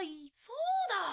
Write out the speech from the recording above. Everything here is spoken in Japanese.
そうだ！